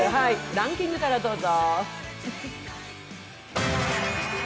ランキングからどうぞ。